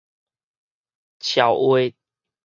撨話